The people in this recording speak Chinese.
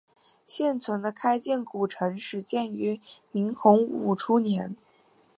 现存的开建古城始建于明洪武初年。